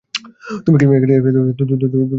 তুই কি ভাই মারার কষ্ট শোনতে চাস?